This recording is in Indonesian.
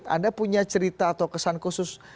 anda punya cerita atau kesan khusus